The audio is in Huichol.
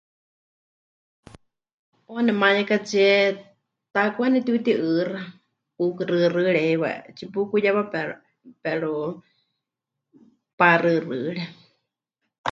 'Uuwa nemuwayekatsíe taakwá nepɨtiuti'ɨɨxa, pukɨxɨxɨɨre heiwa, tsipukuyewa pero, pero paxɨxɨɨre.